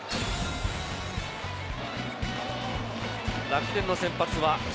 楽天の先発は岸。